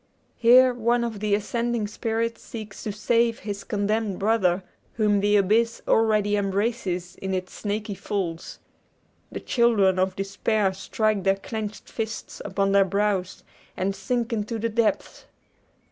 Here one of the ascending spirits seeks to save his condemned brother, whom the abyss already embraces in its snaky folds. The children of despair strike their clenched fists upon their brows, and sink into the depths!